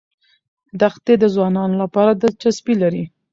دښتې د ځوانانو لپاره دلچسپي لري.